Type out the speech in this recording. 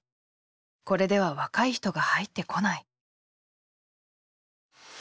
これでは若い人が入ってこない。